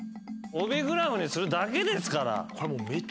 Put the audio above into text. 帯グラフにするだけですから。